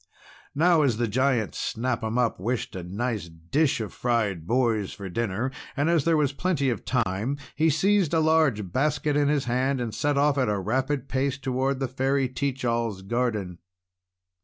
Now, as the Giant Snap 'Em Up wished a nice dish of fried boys for dinner, and as there was plenty of time, he seized a large basket in his hand, and set off at a rapid pace toward the Fairy Teach All's garden.